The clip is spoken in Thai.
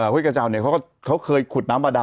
ไว้กับเจ้าเนี่ยเค้าเคยขุดน้ำบาดาน